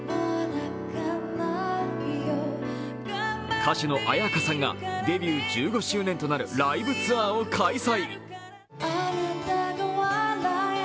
歌手の絢香さんがデビュー１５周年となるライブツアーを開催。